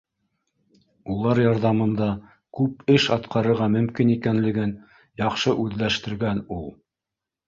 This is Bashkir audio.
Улар ярҙамында күп эш атҡарырға мөмкин икәнлеген яҡшы үҙләштергән ул